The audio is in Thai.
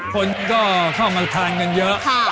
คนก็เข้ามาทานกันเยอะ